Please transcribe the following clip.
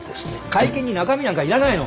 会見に中身なんかいらないの！